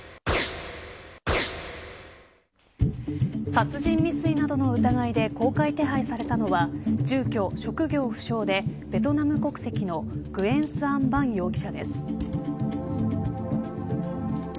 殺人未遂などの疑いで公開手配されたのは住居、職業不詳でベトナム国籍のグエン・スアン・バン容疑者です。